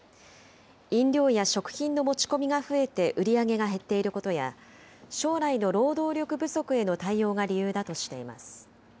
飲料や食品の持ち込みが増えて売り上げが減っていることや、将来の労働力不足への対応が理由だとしています。